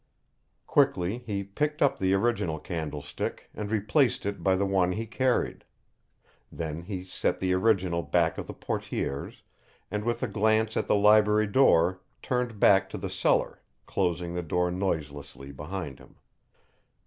Quickly he picked up the original candlestick and replaced it by the one he carried. Then he set the original back of the portières, and with a glance at the library door turned back to the cellar, closing the door noiselessly behind him.